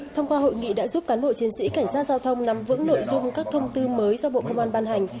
thông qua hội nghị đã giúp cán bộ chiến sĩ cảnh sát giao thông nắm vững nội dung các thông tư mới do bộ công an ban hành